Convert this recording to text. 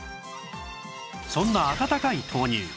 そんな温かい豆乳